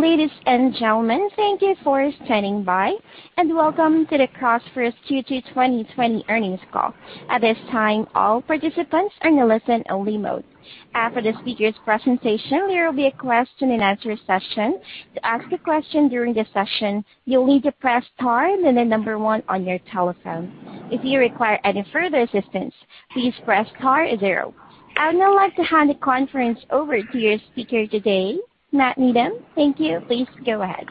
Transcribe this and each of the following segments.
Ladies and gentlemen, thank you for standing by, and welcome to the CrossFirst Q2 2020 earnings call. At this time, all participants are in listen only mode. After the speaker's presentation, there will be a question and answer session. To ask a question during the session, you'll need to press star and the number 1 on your telephone. If you require any further assistance, please press star 0. I would now like to hand the conference over to your speaker today, Matt Needham. Thank you. Please go ahead.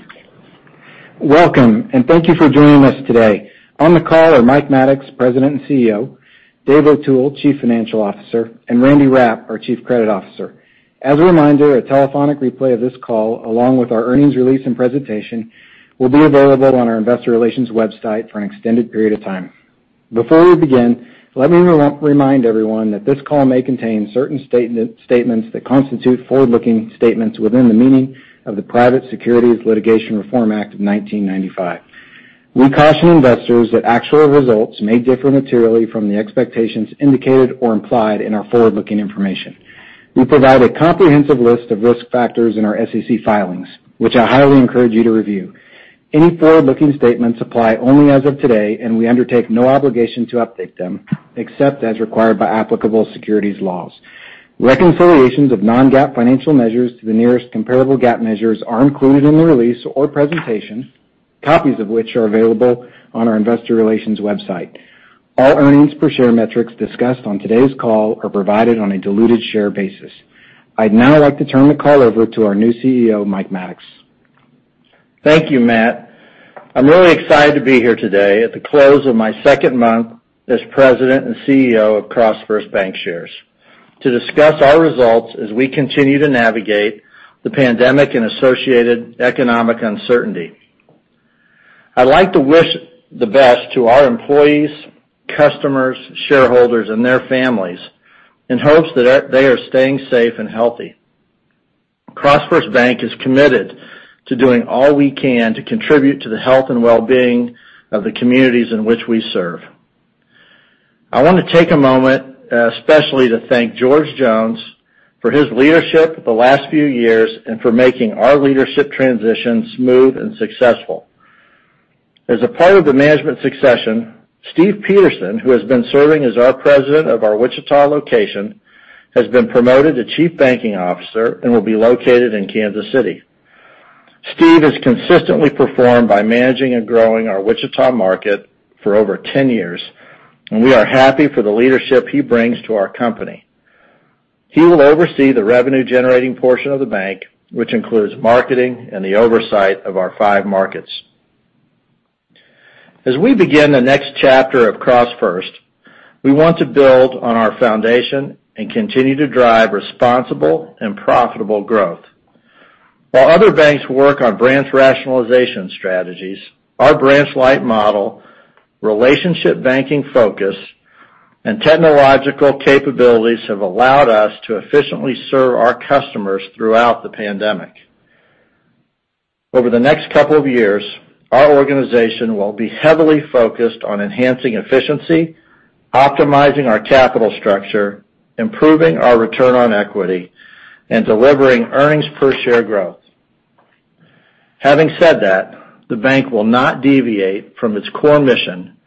Welcome, and thank you for joining us today. On the call are Mike Maddox, President and CEO, David O'Toole, Chief Financial Officer, and Randy Rapp, our Chief Credit Officer. As a reminder, a telephonic replay of this call, along with our earnings release and presentation, will be available on our investor relations website for an extended period of time. Before we begin, let me remind everyone that this call may contain certain statements that constitute forward-looking statements within the meaning of the Private Securities Litigation Reform Act of 1995. We caution investors that actual results may differ materially from the expectations indicated or implied in our forward-looking information. We provide a comprehensive list of risk factors in our SEC filings, which I highly encourage you to review. Any forward-looking statements apply only as of today, and we undertake no obligation to update them, except as required by applicable securities laws. Reconciliations of non-GAAP financial measures to the nearest comparable GAAP measures are included in the release or presentation, copies of which are available on our investor relations website. All earnings per share metrics discussed on today's call are provided on a diluted share basis. I'd now like to turn the call over to our new CEO, Mike Maddox. Thank you, Matt. I'm really excited to be here today at the close of my second month as President and CEO of CrossFirst Bankshares, to discuss our results as we continue to navigate the pandemic and associated economic uncertainty. I'd like to wish the best to our employees, customers, shareholders, and their families in hopes that they are staying safe and healthy. CrossFirst Bank is committed to doing all we can to contribute to the health and well-being of the communities in which we serve. I want to take a moment, especially, to thank George Jones for his leadership the last few years and for making our leadership transition smooth and successful. As a part of the management succession, Steve Peterson, who has been serving as our president of our Wichita location, has been promoted to Chief Banking Officer and will be located in Kansas City. Steve has consistently performed by managing and growing our Wichita market for over 10 years, and we are happy for the leadership he brings to our company. He will oversee the revenue-generating portion of the bank, which includes marketing and the oversight of our five markets. As we begin the next chapter of CrossFirst, we want to build on our foundation and continue to drive responsible and profitable growth. While other banks work on branch rationalization strategies, our branch-light model, relationship banking focus, and technological capabilities have allowed us to efficiently serve our customers throughout the pandemic. Over the next couple of years, our organization will be heavily focused on enhancing efficiency, optimizing our capital structure, improving our return on equity and delivering earnings per share growth. Having said that, the bank will not deviate from its core mission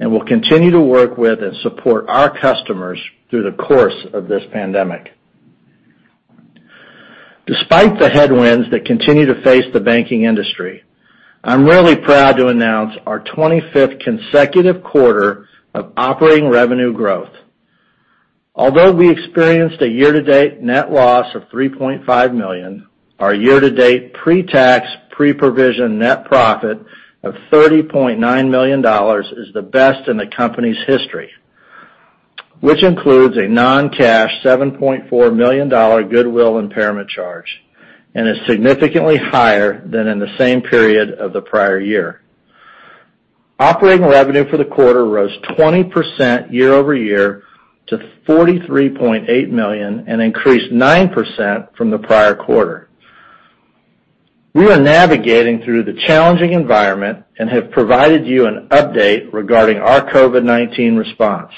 and will continue to work with and support our customers through the course of this pandemic. Despite the headwinds that continue to face the banking industry, I'm really proud to announce our 25th consecutive quarter of operating revenue growth. Although we experienced a year-to-date net loss of $3.5 million, our year-to-date pre-tax, pre-provision net profit of $30.9 million is the best in the company's history, which includes a non-cash $7.4 million goodwill impairment charge and is significantly higher than in the same period of the prior year. Operating revenue for the quarter rose 20% year-over-year to $43.8 million and increased 9% from the prior quarter. We are navigating through the challenging environment and have provided you an update regarding our COVID-19 response.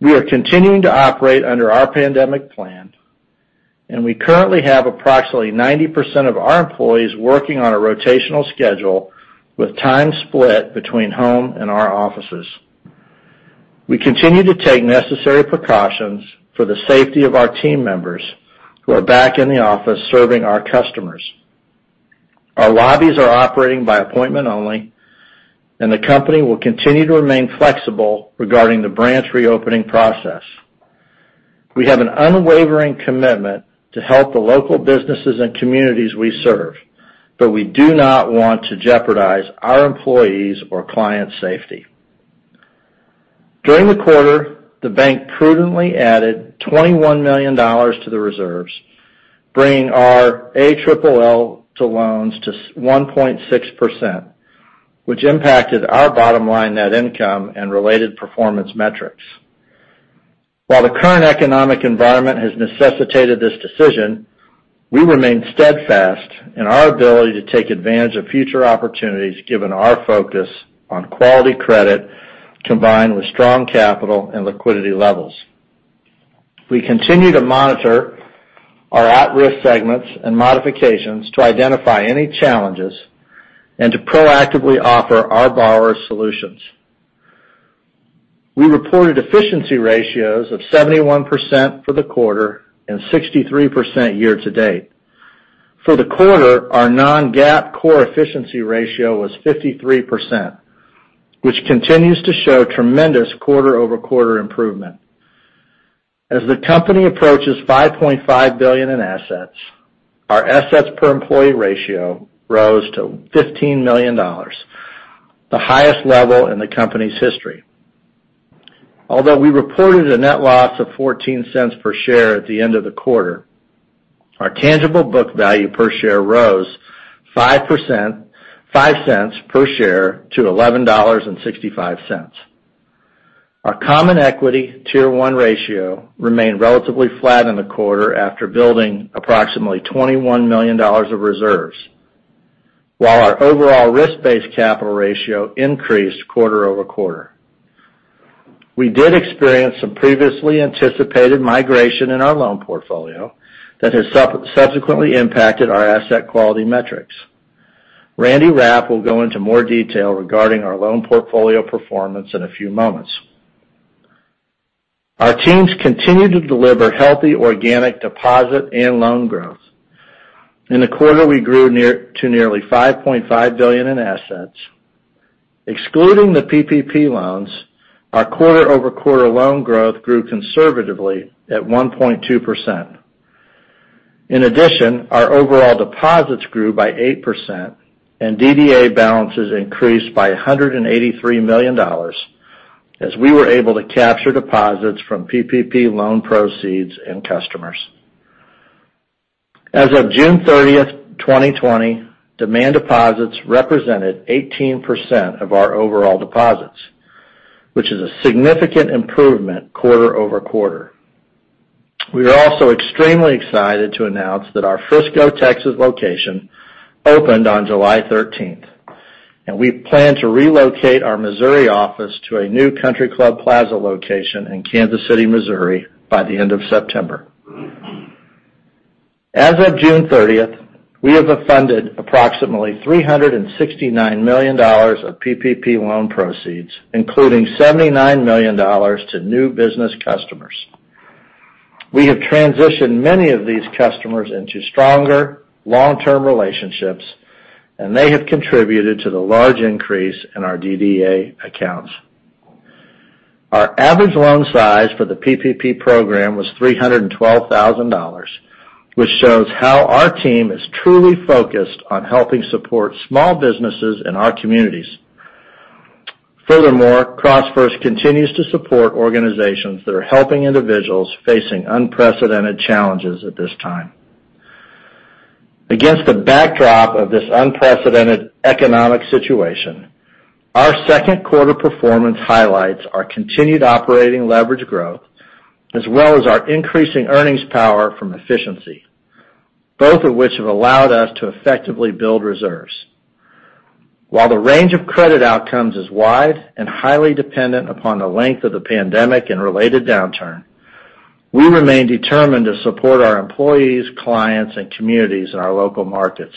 We are continuing to operate under our pandemic plan. We currently have approximately 90% of our employees working on a rotational schedule with time split between home and our offices. We continue to take necessary precautions for the safety of our team members who are back in the office serving our customers. Our lobbies are operating by appointment only. The company will continue to remain flexible regarding the branch reopening process. We have an unwavering commitment to help the local businesses and communities we serve. We do not want to jeopardize our employees' or clients' safety. During the quarter, the bank prudently added $21 million to the reserves, bringing our ALL to loans to 1.6%, which impacted our bottom line net income and related performance metrics. While the current economic environment has necessitated this decision, we remain steadfast in our ability to take advantage of future opportunities given our focus on quality credit combined with strong capital and liquidity levels. We continue to monitor our at-risk segments and modifications to identify any challenges and to proactively offer our borrowers solutions. We reported efficiency ratios of 71% for the quarter and 63% year-to-date. For the quarter, our non-GAAP core efficiency ratio was 53%, which continues to show tremendous quarter-over-quarter improvement. As the company approaches $5.5 billion in assets, our assets per employee ratio rose to $15 million, the highest level in the company's history. Although we reported a net loss of $0.14 per share at the end of the quarter, our tangible book value per share rose $0.05 per share to $11.65. Our Common Equity Tier 1 ratio remained relatively flat in the quarter after building approximately $21 million of reserves, while our overall risk-based capital ratio increased quarter-over-quarter. We did experience some previously anticipated migration in our loan portfolio that has subsequently impacted our asset quality metrics. Randy Rapp will go into more detail regarding our loan portfolio performance in a few moments. Our teams continue to deliver healthy organic deposit and loan growth. In the quarter, we grew to nearly $5.5 billion in assets. Excluding the PPP loans, our quarter-over-quarter loan growth grew conservatively at 1.2%. In addition, our overall deposits grew by 8%, and DDA balances increased by $183 million as we were able to capture deposits from PPP loan proceeds and customers. As of June 30th, 2020, demand deposits represented 18% of our overall deposits, which is a significant improvement quarter-over-quarter. We are also extremely excited to announce that our Frisco, Texas location opened on July 13th, and we plan to relocate our Missouri office to a new Country Club Plaza location in Kansas City, Missouri by the end of September. As of June 30th, we have funded approximately $369 million of PPP loan proceeds, including $79 million to new business customers. We have transitioned many of these customers into stronger long-term relationships, and they have contributed to the large increase in our DDA accounts. Our average loan size for the PPP program was $312,000, which shows how our team is truly focused on helping support small businesses in our communities. Furthermore, CrossFirst continues to support organizations that are helping individuals facing unprecedented challenges at this time. Against the backdrop of this unprecedented economic situation, our second quarter performance highlights our continued operating leverage growth as well as our increasing earnings power from efficiency, both of which have allowed us to effectively build reserves. While the range of credit outcomes is wide and highly dependent upon the length of the pandemic and related downturn, we remain determined to support our employees, clients, and communities in our local markets.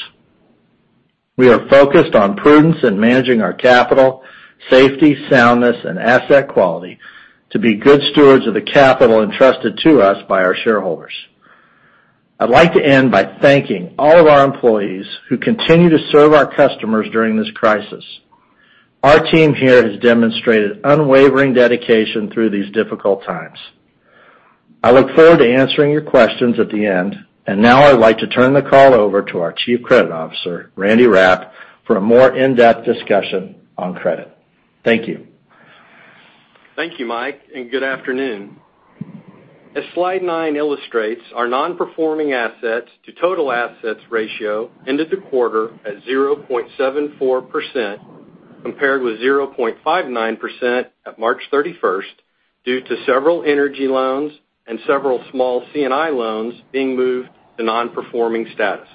We are focused on prudence in managing our capital, safety, soundness, and asset quality to be good stewards of the capital entrusted to us by our shareholders. I'd like to end by thanking all of our employees who continue to serve our customers during this crisis. Our team here has demonstrated unwavering dedication through these difficult times. I look forward to answering your questions at the end. Now I'd like to turn the call over to our Chief Credit Officer, Randy Rapp, for a more in-depth discussion on credit. Thank you. Thank you, Mike, and good afternoon. As slide nine illustrates, our non-performing assets to total assets ratio ended the quarter at 0.74%, compared with 0.59% at March 31st, due to several energy loans and several small C&I loans being moved to non-performing status.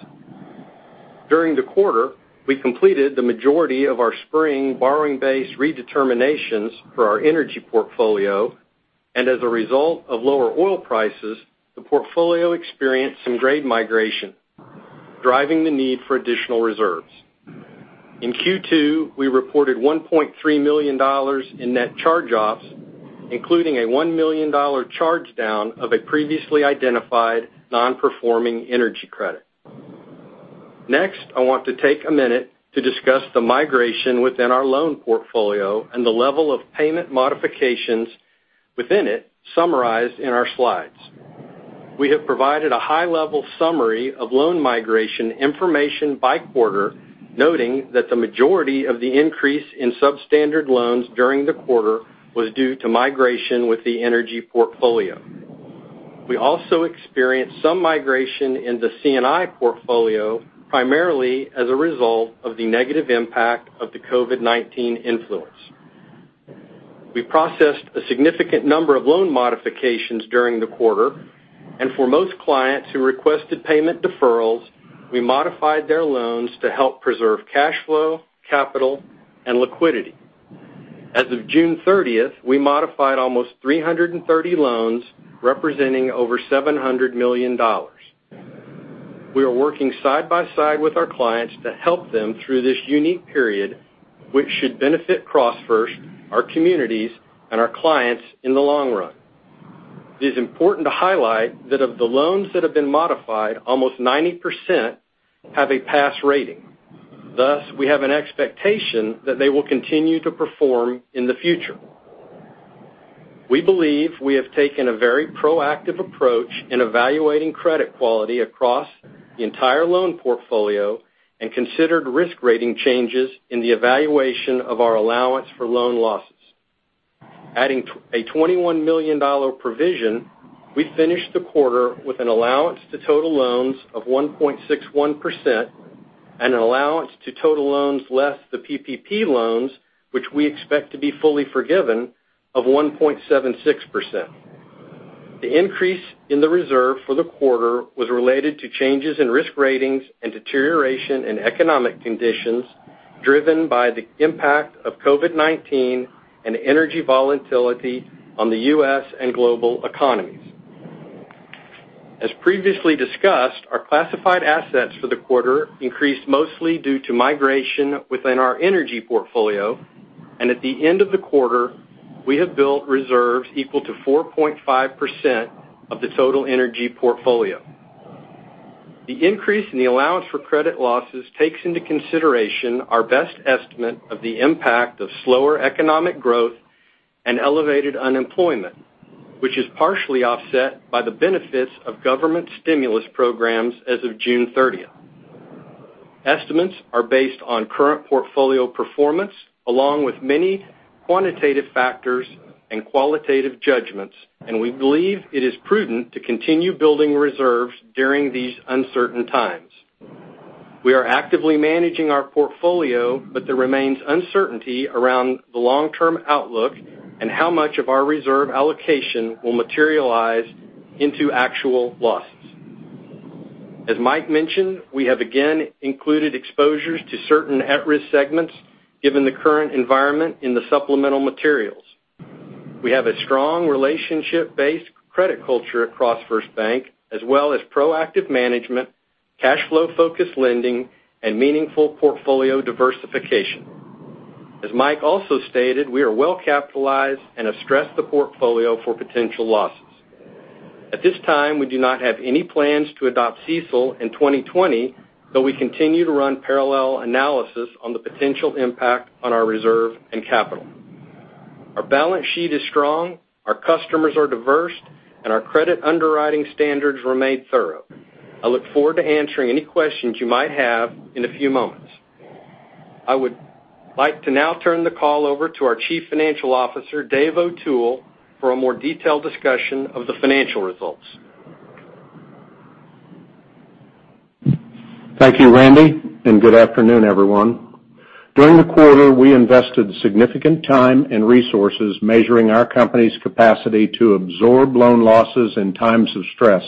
During the quarter, we completed the majority of our spring borrowing base redeterminations for our energy portfolio. As a result of lower oil prices, the portfolio experienced some grade migration, driving the need for additional reserves. In Q2, we reported $1.3 million in net charge-offs, including a $1 million charge down of a previously identified non-performing energy credit. Next, I want to take a minute to discuss the migration within our loan portfolio and the level of payment modifications within it summarized in our slides. We have provided a high-level summary of loan migration information by quarter, noting that the majority of the increase in substandard loans during the quarter was due to migration with the energy portfolio. We also experienced some migration in the C&I portfolio, primarily as a result of the negative impact of the COVID-19 influence. We processed a significant number of loan modifications during the quarter, and for most clients who requested payment deferrals, we modified their loans to help preserve cash flow, capital, and liquidity. As of June 30th, we modified almost 330 loans, representing over $700 million. We are working side by side with our clients to help them through this unique period, which should benefit CrossFirst, our communities, and our clients in the long run. It is important to highlight that of the loans that have been modified, almost 90% have a pass rating. Thus, we have an expectation that they will continue to perform in the future. We believe we have taken a very proactive approach in evaluating credit quality across the entire loan portfolio and considered risk rating changes in the evaluation of our allowance for loan losses. Adding a $21 million provision, we finished the quarter with an allowance to total loans of 1.61% and an allowance to total loans, less the PPP loans, which we expect to be fully forgiven, of 1.76%. The increase in the reserve for the quarter was related to changes in risk ratings and deterioration in economic conditions, driven by the impact of COVID-19 and energy volatility on the U.S. and global economies. As previously discussed, our classified assets for the quarter increased mostly due to migration within our energy portfolio, and at the end of the quarter, we have built reserves equal to 4.5% of the total energy portfolio. The increase in the allowance for credit losses takes into consideration our best estimate of the impact of slower economic growth and elevated unemployment, which is partially offset by the benefits of government stimulus programs as of June 30th. Estimates are based on current portfolio performance along with many quantitative factors and qualitative judgments, and we believe it is prudent to continue building reserves during these uncertain times. We are actively managing our portfolio, but there remains uncertainty around the long-term outlook and how much of our reserve allocation will materialize into actual losses. As Mike mentioned, we have again included exposures to certain at-risk segments given the current environment in the supplemental materials. We have a strong relationship-based credit culture at CrossFirst Bank, as well as proactive management, cash-flow focused lending, and meaningful portfolio diversification. As Mike also stated, we are well capitalized and have stressed the portfolio for potential losses. At this time, we do not have any plans to adopt CECL in 2020, though we continue to run parallel analysis on the potential impact on our reserve and capital. Our balance sheet is strong, our customers are diverse, and our credit underwriting standards remain thorough. I look forward to answering any questions you might have in a few moments. I would like to now turn the call over to our Chief Financial Officer, David O'Toole, for a more detailed discussion of the financial results. Thank you, Randy, good afternoon, everyone. During the quarter, we invested significant time and resources measuring our company's capacity to absorb loan losses in times of stress.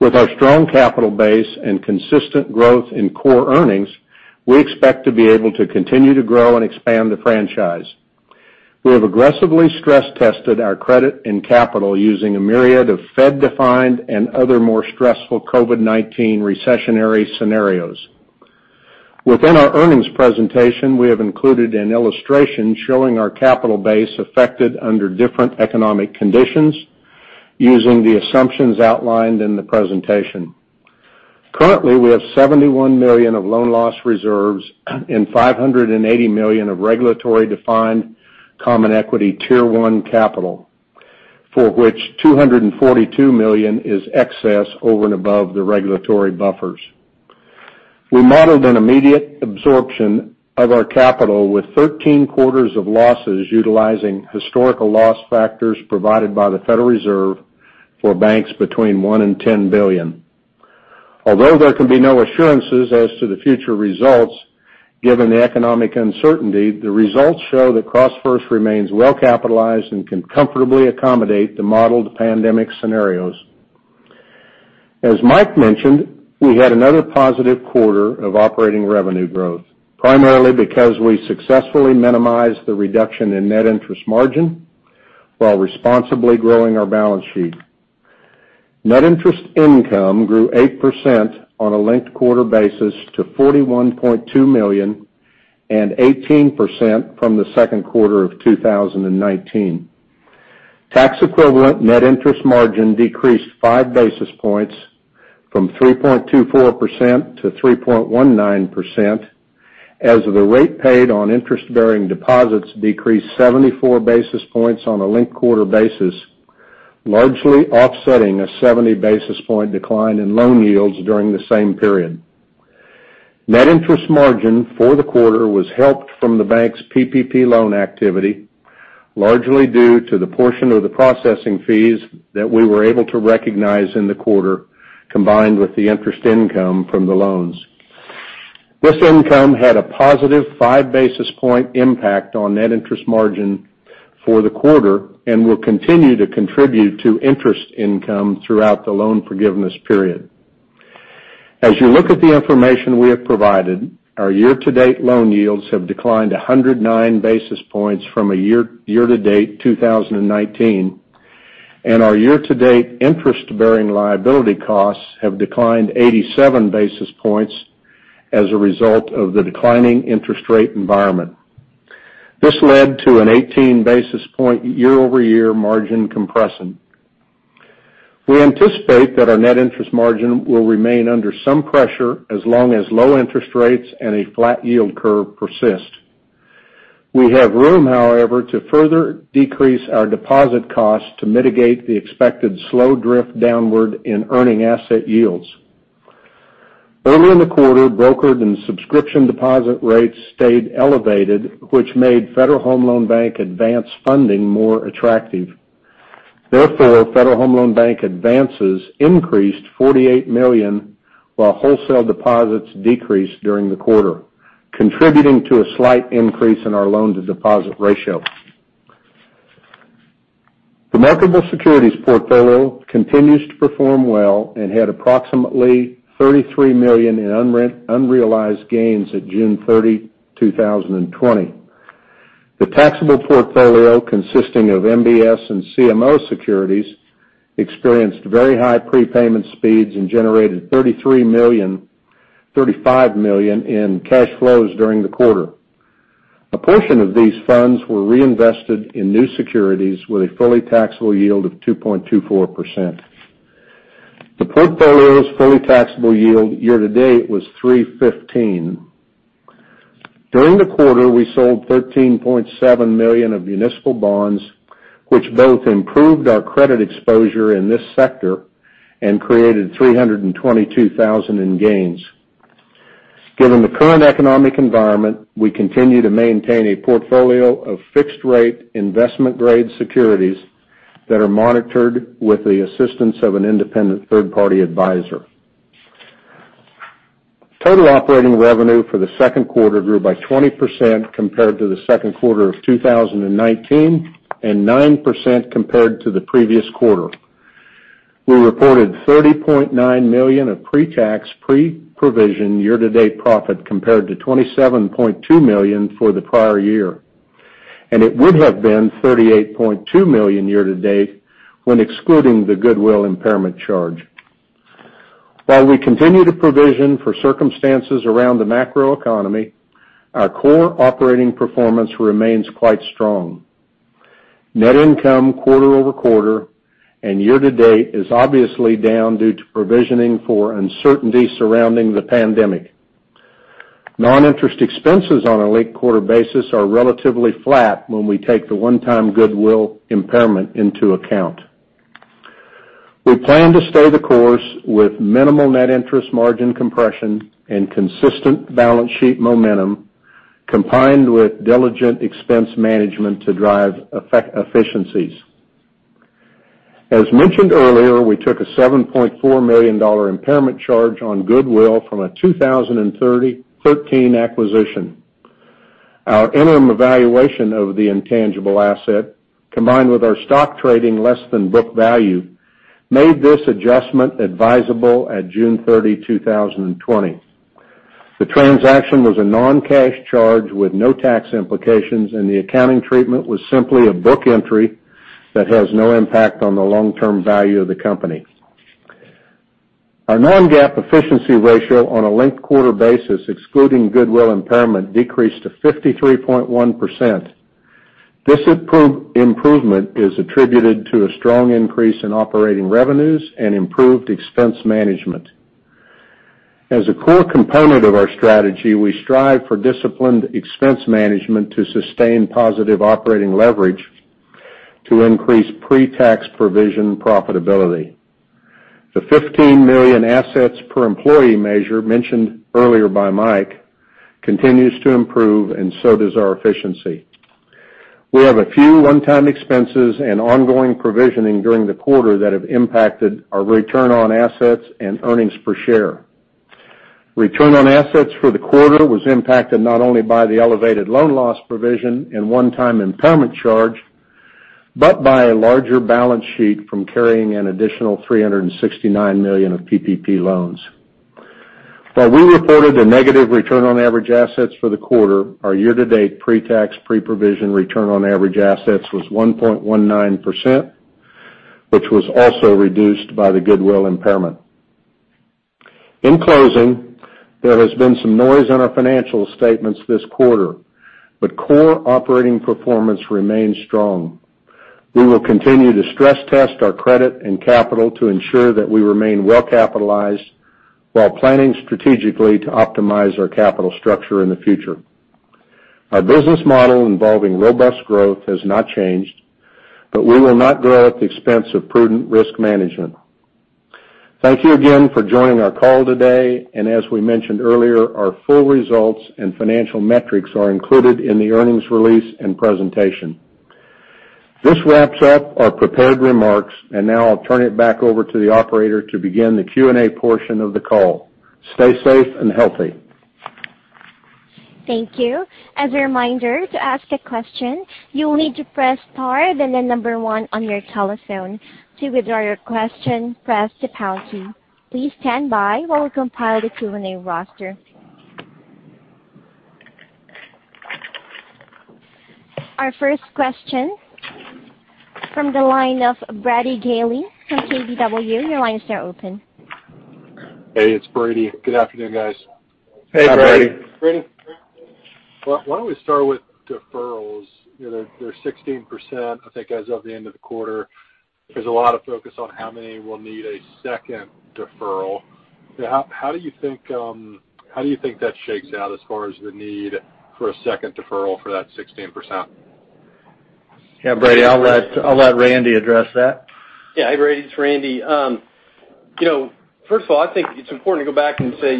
With our strong capital base and consistent growth in core earnings, we expect to be able to continue to grow and expand the franchise. We have aggressively stress-tested our credit and capital using a myriad of Fed-defined and other more stressful COVID-19 recessionary scenarios. Within our earnings presentation, we have included an illustration showing our capital base affected under different economic conditions using the assumptions outlined in the presentation. Currently, we have $71 million of loan loss reserves and $580 million of regulatory-defined Common Equity Tier 1 capital, for which $242 million is excess over and above the regulatory buffers. We modeled an immediate absorption of our capital with 13 quarters of losses utilizing historical loss factors provided by the Federal Reserve for banks between one and 10 billion. Although there can be no assurances as to the future results, given the economic uncertainty, the results show that CrossFirst remains well capitalized and can comfortably accommodate the modeled pandemic scenarios. As Mike mentioned, we had another positive quarter of operating revenue growth, primarily because we successfully minimized the reduction in net interest margin while responsibly growing our balance sheet. Net interest income grew 8% on a linked-quarter basis to $41.2 million and 18% from the second quarter of 2019. Tax-equivalent net interest margin decreased five basis points from 3.24%-3.19% as the rate paid on interest-bearing deposits decreased 74 basis points on a linked-quarter basis, largely offsetting a 70 basis point decline in loan yields during the same period. Net interest margin for the quarter was helped from the bank's PPP loan activity, largely due to the portion of the processing fees that we were able to recognize in the quarter, combined with the interest income from the loans. This income had a positive five basis point impact on net interest margin for the quarter and will continue to contribute to interest income throughout the loan forgiveness period. As you look at the information we have provided, our year-to-date loan yields have declined 109 basis points from a year-to-date 2019, and our year-to-date interest-bearing liability costs have declined 87 basis points as a result of the declining interest rate environment. This led to an 18 basis point year-over-year margin compression. We anticipate that our net interest margin will remain under some pressure as long as low interest rates and a flat yield curve persist. We have room, however, to further decrease our deposit costs to mitigate the expected slow drift downward in earning asset yields. Early in the quarter, brokered and subscription deposit rates stayed elevated, which made Federal Home Loan Bank advance funding more attractive. Federal Home Loan Bank advances increased $48 million, while wholesale deposits decreased during the quarter, contributing to a slight increase in our loan-to-deposit ratio. The marketable securities portfolio continues to perform well and had approximately $33 million in unrealized gains at June 30, 2020. The taxable portfolio, consisting of MBS and CMO securities, experienced very high prepayment speeds and generated $35 million in cash flows during the quarter. A portion of these funds were reinvested in new securities with a fully taxable yield of 2.24%. The portfolio's fully taxable yield year-to-date was 315. During the quarter, we sold $13.7 million of municipal bonds, which both improved our credit exposure in this sector and created $322,000 in gains. Given the current economic environment, we continue to maintain a portfolio of fixed rate, investment-grade securities that are monitored with the assistance of an independent third-party advisor. Total operating revenue for the second quarter grew by 20% compared to the second quarter of 2019, and 9% compared to the previous quarter. We reported $30.9 million of pre-tax, pre-provision, year-to-date profit compared to $27.2 million for the prior year, and it would have been $38.2 million year-to-date when excluding the goodwill impairment charge. While we continue to provision for circumstances around the macroeconomy, our core operating performance remains quite strong. Net income quarter-over-quarter and year-to-date is obviously down due to provisioning for uncertainty surrounding the pandemic. Non-interest expenses on a linked quarter basis are relatively flat when we take the one-time goodwill impairment into account. We plan to stay the course with minimal net interest margin compression and consistent balance sheet momentum, combined with diligent expense management to drive efficiencies. As mentioned earlier, we took a $7.4 million impairment charge on goodwill from a 2013 acquisition. Our interim evaluation of the intangible asset, combined with our stock trading less than book value, made this adjustment advisable at June 30, 2020. The transaction was a non-cash charge with no tax implications, and the accounting treatment was simply a book entry that has no impact on the long-term value of the company. Our non-GAAP efficiency ratio on a linked quarter basis, excluding goodwill impairment, decreased to 53.1%. This improvement is attributed to a strong increase in operating revenues and improved expense management. As a core component of our strategy, we strive for disciplined expense management to sustain positive operating leverage to increase pre-tax, pre-provision profitability. The $15 million assets per employee measure mentioned earlier by Mike continues to improve, and so does our efficiency. We have a few one-time expenses and ongoing provisioning during the quarter that have impacted our return on assets and earnings per share. Return on assets for the quarter was impacted not only by the elevated loan loss provision and one-time impairment charge, but by a larger balance sheet from carrying an additional $369 million of PPP loans. While we reported a negative return on average assets for the quarter, our year-to-date pre-tax, pre-provision return on average assets was 1.19%, which was also reduced by the goodwill impairment. In closing, there has been some noise on our financial statements this quarter, but core operating performance remains strong. We will continue to stress test our credit and capital to ensure that we remain well-capitalized while planning strategically to optimize our capital structure in the future. Our business model involving robust growth has not changed. We will not grow at the expense of prudent risk management. Thank you again for joining our call today. As we mentioned earlier, our full results and financial metrics are included in the earnings release and presentation. This wraps up our prepared remarks. Now I'll turn it back over to the operator to begin the Q&A portion of the call. Stay safe and healthy. Thank you. As a reminder, to ask a question, you'll need to press star, then the number 1 on your telephone. To withdraw your question, press the pound key. Please stand by while we compile the Q&A roster. Our first question from the line Brady Gailey from KBW. Your line is now open. Hey, it's Brady. Good afternoon, guys. Hey, Brady. Hey, Brady. Brady, why don't we start with deferrals? They're 16%, I think, as of the end of the quarter. There's a lot of focus on how many will need a second deferral. How do you think that shakes out as far as the need for a second deferral for that 16%? Yeah, Brady, I'll let Randy address that. Yeah. Hey, Brady. It's Randy. First of all, I think it's important to go back and say,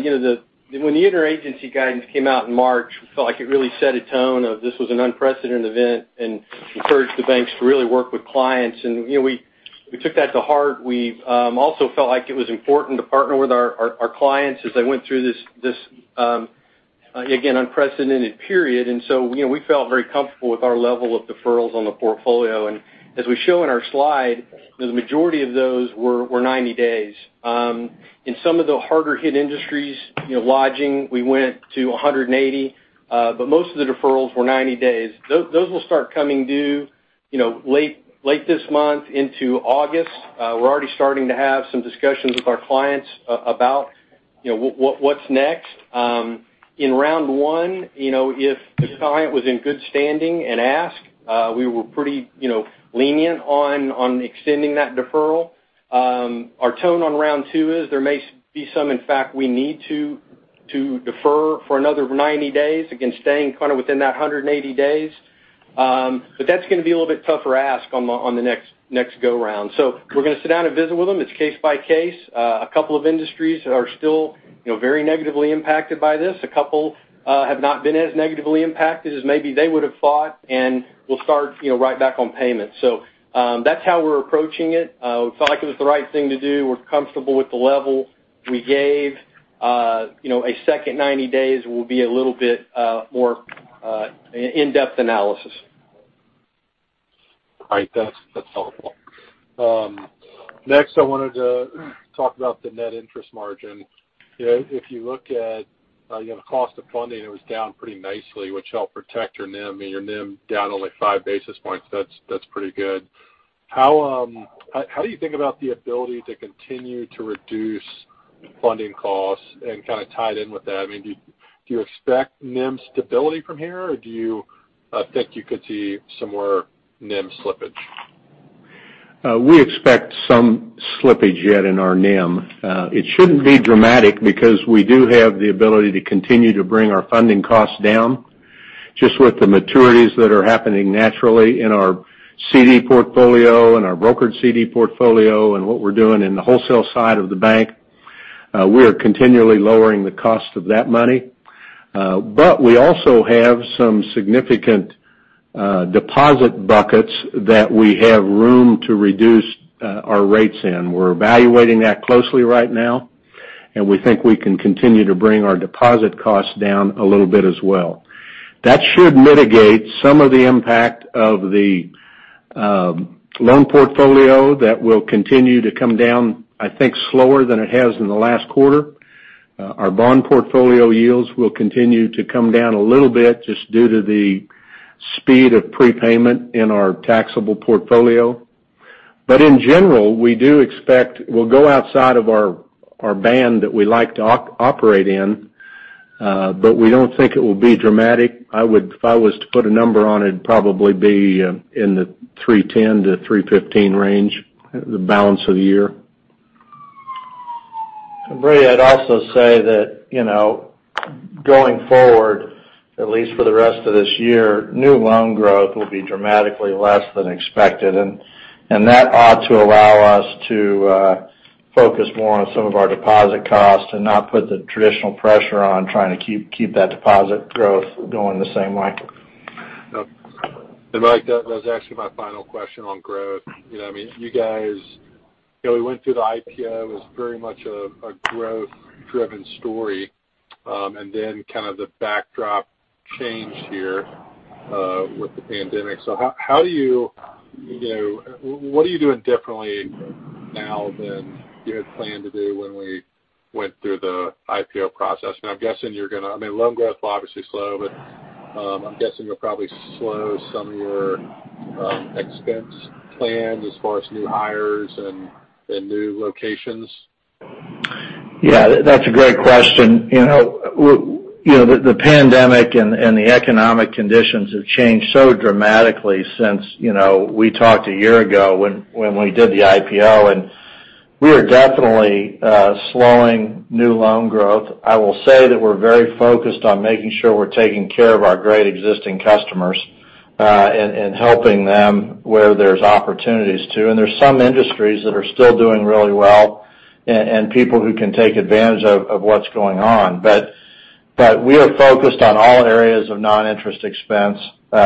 when the interagency guidance came out in March, we felt like it really set a tone of this was an unprecedented event and encouraged the banks to really work with clients. We took that to heart. We also felt like it was important to partner with our clients as they went through this, again, unprecedented period. We felt very comfortable with our level of deferrals on the portfolio. As we show in our slide, the majority of those were 90 days. In some of the harder hit industries, lodging, we went to 180, but most of the deferrals were 90 days. Those will start coming due late this month into August. We're already starting to have some discussions with our clients about what's next. In round one, if the client was in good standing and asked, we were pretty lenient on extending that deferral. Our tone on round two is there may be some, in fact, we need to defer for another 90 days, again, staying kind of within that 180 days. That's going to be a little bit tougher ask on the next go round. We're going to sit down and visit with them. It's case by case. A couple of industries are still very negatively impacted by this. A couple have not been as negatively impacted as maybe they would've thought, and we'll start right back on payments. That's how we're approaching it. It felt like it was the right thing to do. We're comfortable with the level we gave. A second 90 days will be a little bit more in-depth analysis. All right. That's helpful. Next, I wanted to talk about the net interest margin. If you look at the cost of funding, it was down pretty nicely, which helped protect your NIM. Your NIM down only five basis points. That's pretty good. How do you think about the ability to continue to reduce funding costs, and kind of tied in with that, do you expect NIM stability from here, or do you think you could see some more NIM slippage? We expect some slippage yet in our NIM. It shouldn't be dramatic because we do have the ability to continue to bring our funding costs down just with the maturities that are happening naturally in our CD portfolio and our brokered CD portfolio and what we're doing in the wholesale side of the bank. We are continually lowering the cost of that money. We also have some significant deposit buckets that we have room to reduce our rates in. We're evaluating that closely right now, and we think we can continue to bring our deposit costs down a little bit as well. That should mitigate some of the impact of the loan portfolio that will continue to come down, I think, slower than it has in the last quarter. Our bond portfolio yields will continue to come down a little bit just due to the speed of prepayment in our taxable portfolio. In general, we do expect we'll go outside of our band that we like to operate in, but we don't think it will be dramatic. If I was to put a number on it'd probably be in the 310-315 range, the balance of the year. Brady, I'd also say that going forward, at least for the rest of this year, new loan growth will be dramatically less than expected. That ought to allow us to focus more on some of our deposit costs and not put the traditional pressure on trying to keep that deposit growth going the same way. Yep. Mike, that was actually my final question on growth. You guys went through the IPO as very much a growth-driven story, then kind of the backdrop changed here with the pandemic. What are you doing differently now than you had planned to do when we went through the IPO process? I mean loan growth will obviously slow, I'm guessing you'll probably slow some of your expense plans as far as new hires and new locations. Yeah, that's a great question. The pandemic and the economic conditions have changed so dramatically since we talked a year ago when we did the IPO, and we are definitely slowing new loan growth. I will say that we're very focused on making sure we're taking care of our great existing customers, and helping them where there's opportunities to. There's some industries that are still doing really well and people who can take advantage of what's going on. We are focused on all areas of non-interest expense. We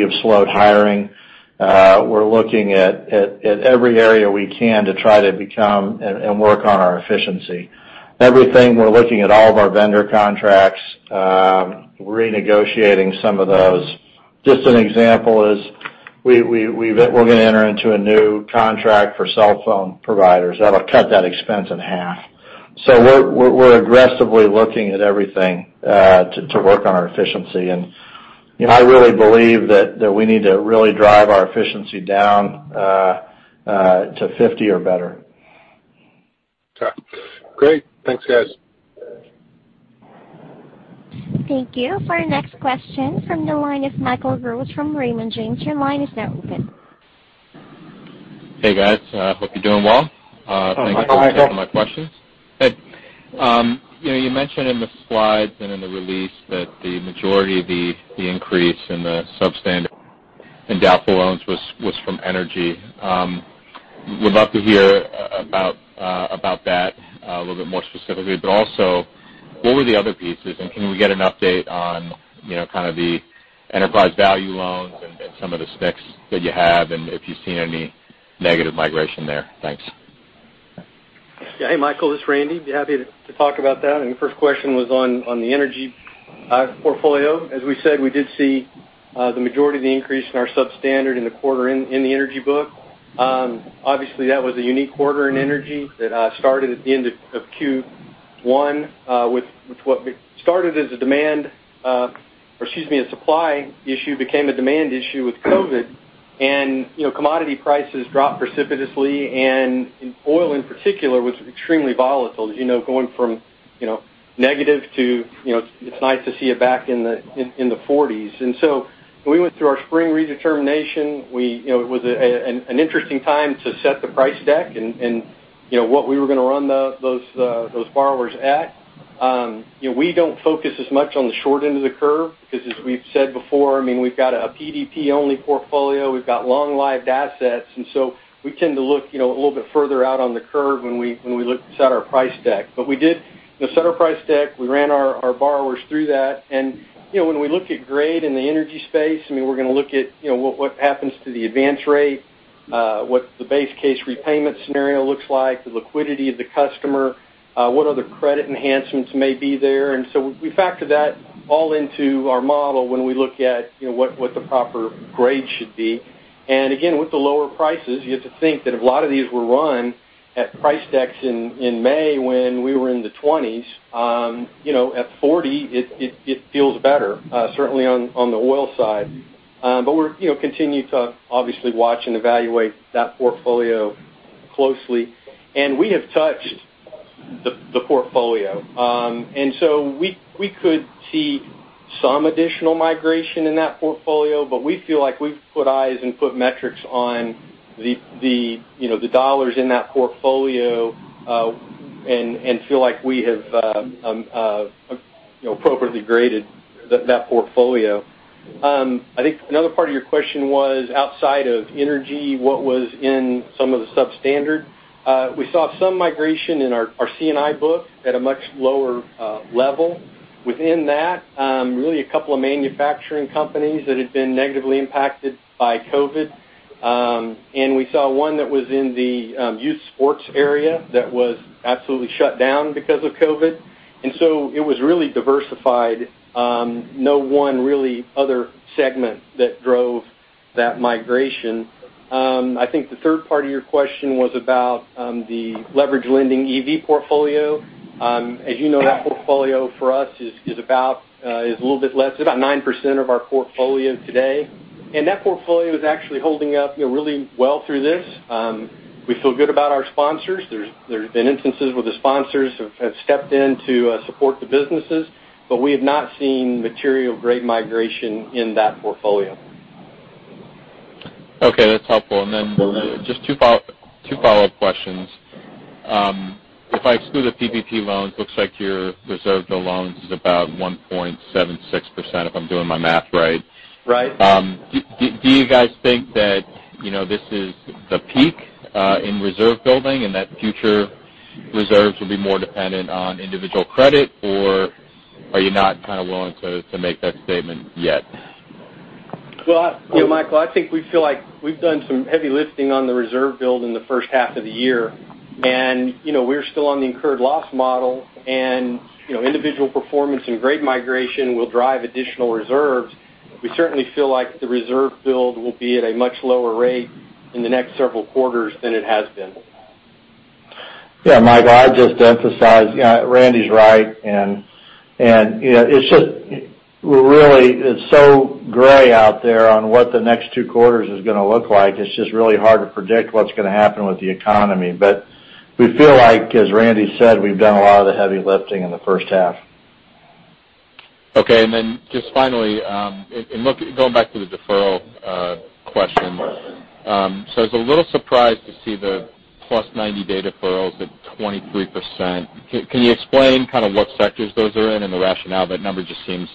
have slowed hiring We're looking at every area we can to try to become and work on our efficiency. Everything, we're looking at all of our vendor contracts, renegotiating some of those. Just an example is we're going to enter into a new contract for cell phone providers. That'll cut that expense in half. We're aggressively looking at everything to work on our efficiency. I really believe that we need to really drive our efficiency down to 50 or better. Okay, great. Thanks, guys. Thank you. For our next question, from the line of Michael Rose from Raymond James, your line is now open. Hey, guys. Hope you're doing well. Oh, Michael. Thank you for taking my questions. Hey, you mentioned in the slides and in the release that the majority of the increase in the substandard and doubtful loans was from energy. Would love to hear about that a little bit more specifically. Also, what were the other pieces, and can we get an update on kind of the enterprise value loans and some of the specs that you have and if you've seen any negative migration there? Thanks. Yeah. Hey, Michael, this is Randy. Be happy to talk about that. The first question was on the energy portfolio. As we said, we did see the majority of the increase in our substandard in the quarter in the energy book. Obviously, that was a unique quarter in energy that started at the end of Q1 with what started as a supply issue became a demand issue with COVID, and commodity prices dropped precipitously, and oil in particular was extremely volatile, going from negative to it's nice to see it back in the 40s. When we went through our spring redetermination, it was an interesting time to set the price deck and what we were going to run those borrowers at. We don't focus as much on the short end of the curve because, as we've said before, we've got a PDP-only portfolio. We've got long-lived assets, we tend to look a little bit further out on the curve when we set our price deck. We did set our price deck. We ran our borrowers through that. When we look at grade in the energy space, we're going to look at what happens to the advance rate, what the base case repayment scenario looks like, the liquidity of the customer, what other credit enhancements may be there. We factor that all into our model when we look at what the proper grade should be. Again, with the lower prices, you have to think that a lot of these were run at price decks in May when we were in the 20s. At 40, it feels better, certainly on the oil side. We'll continue to obviously watch and evaluate that portfolio closely. We have touched the portfolio. We could see some additional migration in that portfolio, but we feel like we've put eyes and put metrics on the dollars in that portfolio, and feel like we have appropriately graded that portfolio. I think another part of your question was outside of energy, what was in some of the substandard? We saw some migration in our C&I book at a much lower level within that. Really a couple of manufacturing companies that had been negatively impacted by COVID. We saw one that was in the youth sports area that was absolutely shut down because of COVID. It was really diversified. No one really other segment that drove that migration. I think the third part of your question was about the leverage lending EV portfolio. As you know, that portfolio for us is a little bit less, about 9% of our portfolio today. That portfolio is actually holding up really well through this. We feel good about our sponsors. There's been instances where the sponsors have stepped in to support the businesses, but we have not seen material grade migration in that portfolio. Okay, that's helpful. Just two follow-up questions. If I exclude the PPP loans, looks like your reserve to loans is about 1.76%, if I'm doing my math right. Right. Do you guys think that this is the peak in reserve building and that future reserves will be more dependent on individual credit, or are you not kind of willing to make that statement yet? Well, Michael, I think we feel like we've done some heavy lifting on the reserve build in the first half of the year, and we're still on the incurred loss model, and individual performance and grade migration will drive additional reserves. We certainly feel like the reserve build will be at a much lower rate in the next several quarters than it has been. Yeah, Michael, I'd just emphasize Randy's right. It's so gray out there on what the next two quarters is going to look like. It's just really hard to predict what's going to happen with the economy. We feel like, as Randy said, we've done a lot of the heavy lifting in the first half. Okay. Just finally, going back to the deferral question. I was a little surprised to see the plus 90-day deferrals at 23%. Can you explain kind of what sectors those are in and the rationale? That number just seems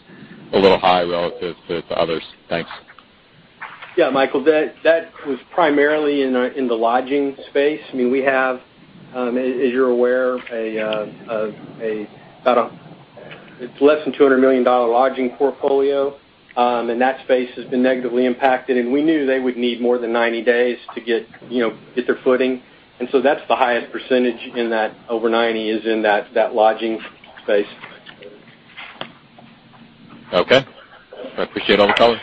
a little high relative to others. Thanks. Michael, that was primarily in the lodging space. We have, as you're aware, it's less than $200 million lodging portfolio. That space has been negatively impacted, and we knew they would need more than 90 days to get their footing. That's the highest percentage in that, over 90, is in that lodging space. I appreciate all the color.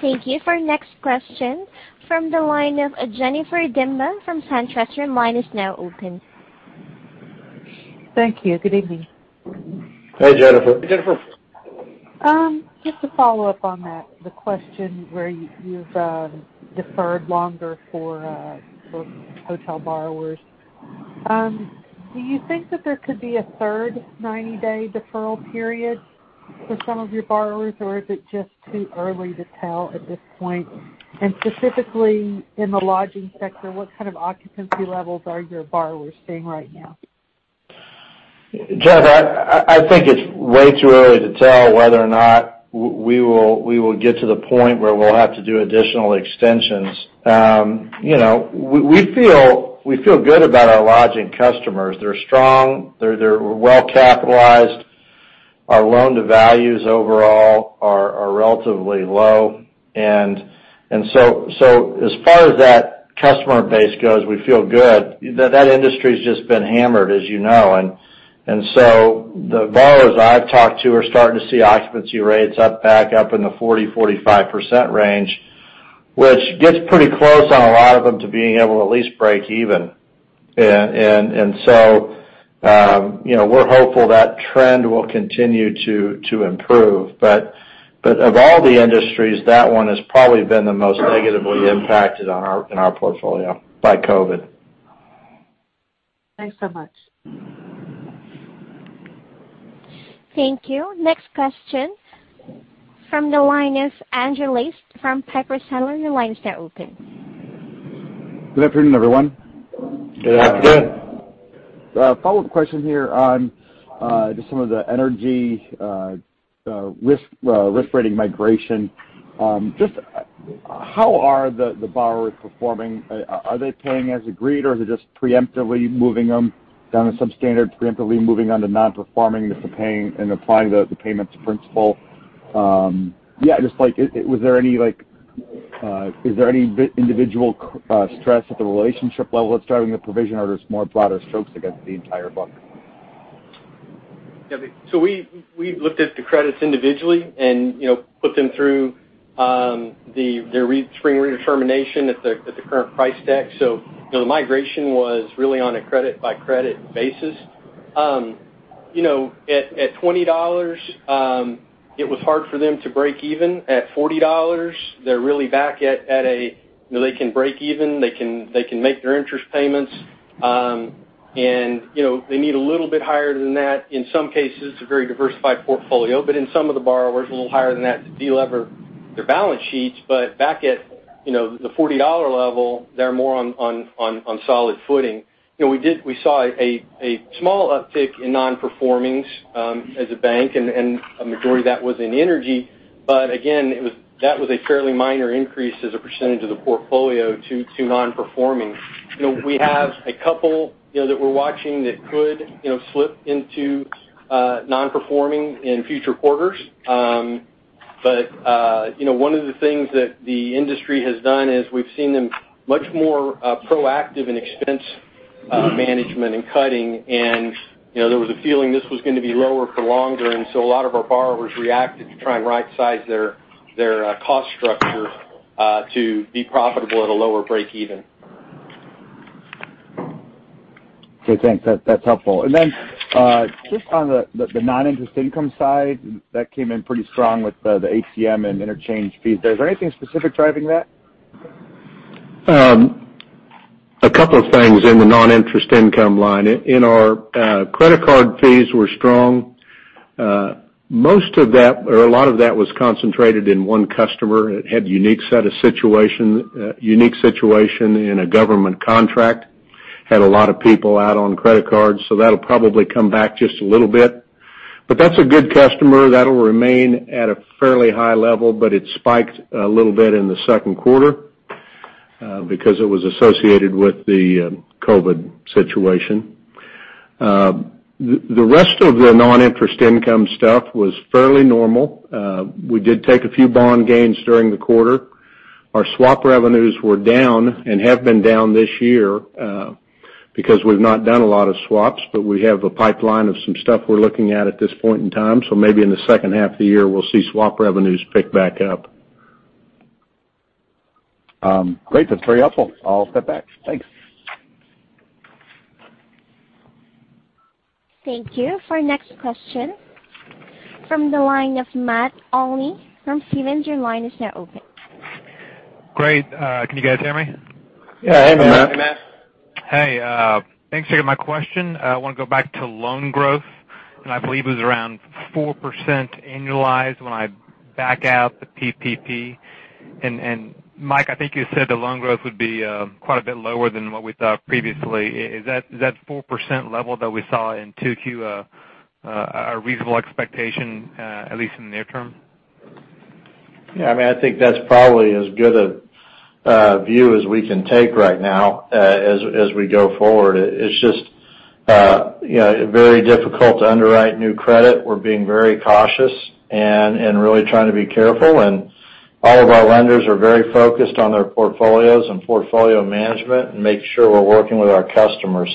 Thank you. For our next question from the line of Jennifer Demba from SunTrust. Your line is now open. Thank you. Good evening. Hey, Jennifer. Hey, Jennifer. Just to follow up on that, the question where you've deferred longer for hotel borrowers. Do you think that there could be a third 90-day deferral period for some of your borrowers, or is it just too early to tell at this point? Specifically, in the lodging sector, what kind of occupancy levels are your borrowers seeing right now? Jennifer, I think it's way too early to tell whether or not we will get to the point where we'll have to do additional extensions. We feel good about our lodging customers. They're strong. They're well-capitalized. Our loan to values overall are relatively low. As far as that customer base goes, we feel good. That industry's just been hammered, as you know. The borrowers I've talked to are starting to see occupancy rates up back up in the 40%-45% range, which gets pretty close on a lot of them to being able to at least break even. Of all the industries, that one has probably been the most negatively impacted in our portfolio by COVID. Thanks so much. Thank you. Next question from the line is Andrew from Piper Sandler. Your line is now open. Good afternoon, everyone. Good afternoon. Good afternoon. A follow-up question here on just some of the energy risk rating migration. Just how are the borrowers performing? Are they paying as agreed, or are they just preemptively moving them down to substandard, preemptively moving on to non-performing if they're paying and applying the payments to principal? Is there any individual stress at the relationship level that's driving the provision, or it's more broader strokes against the entire book? We looked at the credits individually and put them through their spring redetermination at the current price deck. The migration was really on a credit by credit basis. At $20, it was hard for them to break even. At $40, they're really back, they can break even. They can make their interest payments. They need a little bit higher than that. In some cases, it's a very diversified portfolio, but in some of the borrowers, a little higher than that to de-lever their balance sheets. Back at the $40 level, they're more on solid footing. We saw a small uptick in non-performings as a bank, and a majority of that was in energy. Again, that was a fairly minor increase as a percentage of the portfolio to non-performing. We have a couple that we're watching that could slip into non-performing in future quarters. One of the things that the industry has done is we've seen them much more proactive in expense management and cutting. There was a feeling this was going to be lower for longer, a lot of our borrowers reacted to try and right size their cost structure to be profitable at a lower break even. Okay, thanks. That's helpful. Just on the non-interest income side, that came in pretty strong with the ATM and interchange fees. Is there anything specific driving that? A couple of things in the non-interest income line. Our credit card fees were strong. Most of that or a lot of that was concentrated in one customer that had a unique situation in a government contract. Had a lot of people out on credit cards. That'll probably come back just a little bit. That's a good customer. That'll remain at a fairly high level, but it spiked a little bit in the second quarter because it was associated with the COVID situation. The rest of the non-interest income stuff was fairly normal. We did take a few bond gains during the quarter. Our swap revenues were down and have been down this year because we've not done a lot of swaps, but we have a pipeline of some stuff we're looking at at this point in time. Maybe in the second half of the year, we'll see swap revenues pick back up. Great. That's very helpful. I'll step back. Thanks. Thank you. For our next question, from the line of Matt Olney from Stephens, your line is now open. Great. Can you guys hear me? Yeah. Hey, Matt. Hey, Matt. Hey. Thanks for taking my question. I want to go back to loan growth, I believe it was around 4% annualized when I back out the PPP. Mike, I think you said the loan growth would be quite a bit lower than what we thought previously. Is that 4% level that we saw in 2Q a reasonable expectation, at least in the near term? I think that's probably as good a view as we can take right now as we go forward. It's just very difficult to underwrite new credit. We're being very cautious and really trying to be careful, and all of our lenders are very focused on their portfolios and portfolio management, and making sure we're working with our customers.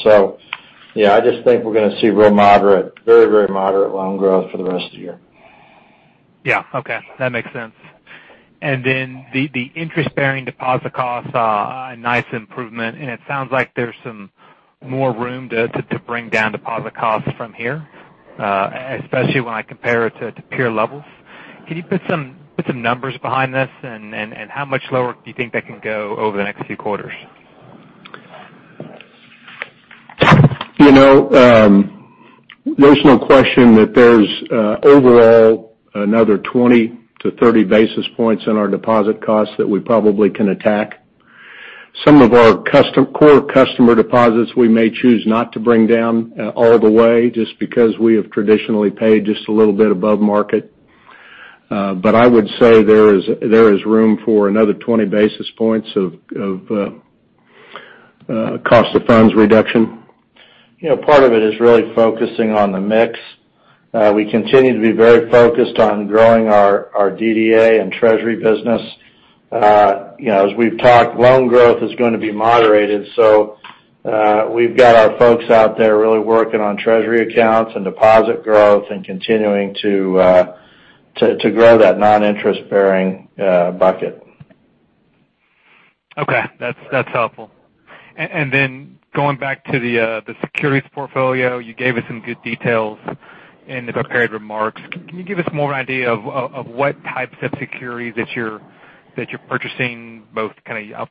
I just think we're going to see very moderate loan growth for the rest of the year. Yeah. Okay. That makes sense. The interest-bearing deposit costs saw a nice improvement, and it sounds like there's some more room to bring down deposit costs from here, especially when I compare it to peer levels. Can you put some numbers behind this, how much lower do you think that can go over the next few quarters? There's no question that there's, overall, another 20-30 basis points in our deposit costs that we probably can attack. Some of our core customer deposits, we may choose not to bring down all the way just because we have traditionally paid just a little bit above market. I would say there is room for another 20 basis points of cost of funds reduction. Part of it is really focusing on the mix. We continue to be very focused on growing our DDA and treasury business. As we've talked, loan growth is going to be moderated, so we've got our folks out there really working on treasury accounts and deposit growth and continuing to grow that non-interest-bearing bucket. Okay. That's helpful. Going back to the securities portfolio, you gave us some good details in the prepared remarks. Can you give us more of an idea of what types of securities that you're purchasing, both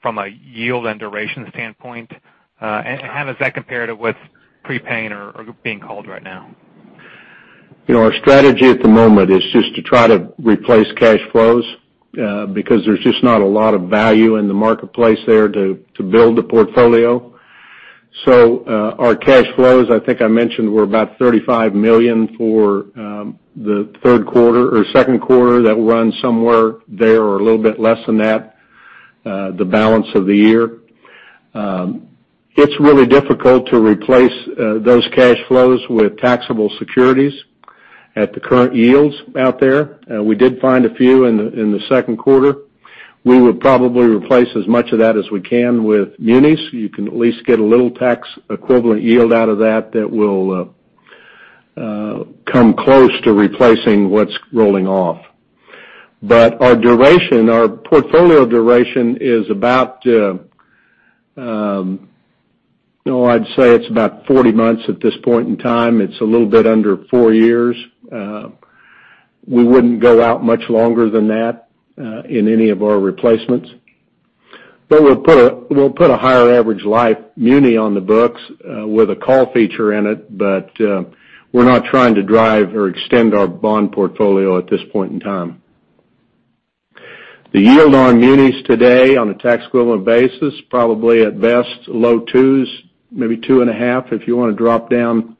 from a yield and duration standpoint? How does that compare to what's prepaying or being called right now? Our strategy at the moment is just to try to replace cash flows, because there's just not a lot of value in the marketplace there to build the portfolio. Our cash flows, I think I mentioned, were about $35 million for the third quarter, or second quarter. That will run somewhere there or a little bit less than that the balance of the year. It's really difficult to replace those cash flows with taxable securities at the current yields out there. We did find a few in the second quarter. We will probably replace as much of that as we can with munis. You can at least get a little tax equivalent yield out of that will come close to replacing what's rolling off. Our portfolio duration, I'd say it's about 40 months at this point in time. It's a little bit under four years. We wouldn't go out much longer than that in any of our replacements. But we'll put a higher average life muni on the books with a call feature in it. But we're not trying to drive or extend our bond portfolio at this point in time. The yield on munis today, on a tax equivalent basis, probably at best low twos, maybe two and a half, if you want to drop down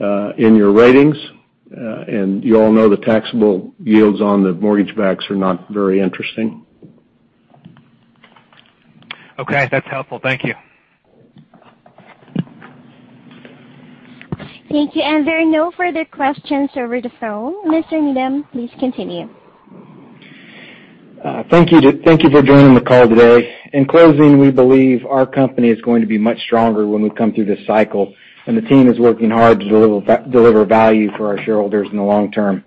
in your ratings. And you all know the taxable yields on the mortgage-backs are not very interesting. Okay. That's helpful. Thank you. Thank you. There are no further questions over the phone. Mr. Needham, please continue. Thank you for joining the call today. In closing, we believe our company is going to be much stronger when we come through this cycle, and the team is working hard to deliver value for our shareholders in the long term.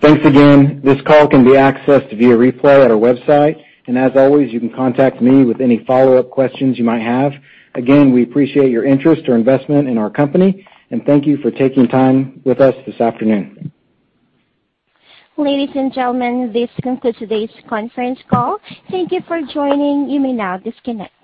Thanks again. This call can be accessed via replay at our website. As always, you can contact me with any follow-up questions you might have. Again, we appreciate your interest or investment in our company, and thank you for taking time with us this afternoon. Ladies and gentlemen, this concludes today's conference call. Thank you for joining. You may now disconnect.